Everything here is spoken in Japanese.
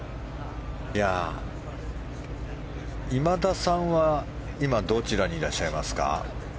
今田さんは今どちらにいらっしゃいますか？